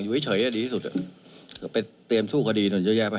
อยู่เฉยดีที่สุดไปเตรียมสู้คดีหน่อยเยอะแยะไป